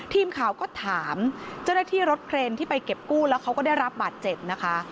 ทีมข่าวก็ถามเจ้าหน้าที่รถเครนที่ไปเก็บกู้แล้วเขาก็ได้รับบาดเจ็บนะคะ